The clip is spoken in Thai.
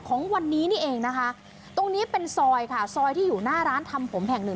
ของวันนี้นี่เองนะคะตรงนี้เป็นซอยค่ะซอยที่อยู่หน้าร้านทำผมแห่งหนึ่ง